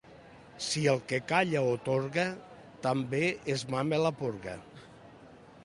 Si el que calla atorga, també es mama la porga.